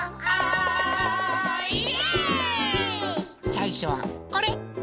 さいしょはこれ。